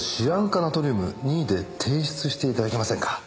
ナトリウム任意で提出して頂けませんか？